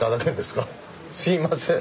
すいません。